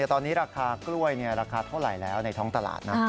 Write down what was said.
ตอนนี้ราคากล้วยราคาเท่าไหร่แล้วในท้องตลาดนะ